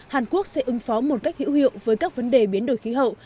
hàn quốc sẽ ứng phó một cách hữu hiệu với các vấn đề biến đổi khí hậu